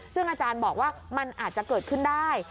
ซึ่งอาจารย์บอกว่ามันอาจจะเกิดขึ้นได้